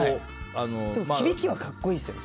響きは格好いいですよね。